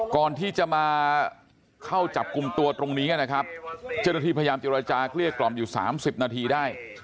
ก่อนที่จะมาเข้าจับกลุ่มตัวตรงนี้นะครับเจ้าหน้าที่พยายามเจรจาเกลี้ยกล่อมอยู่๓๐นาทีได้